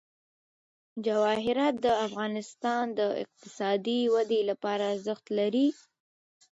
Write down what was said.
جواهرات د افغانستان د اقتصادي ودې لپاره ارزښت لري.